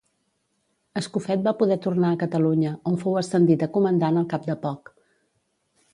Escofet va poder tornar a Catalunya, on fou ascendit a comandant al cap de poc.